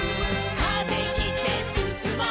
「風切ってすすもう」